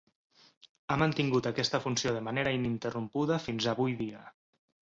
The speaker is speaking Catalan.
Ha mantingut aquesta funció de manera ininterrompuda fins avui dia.